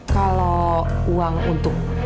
kalo uang untuk